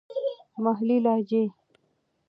محلې لهجې.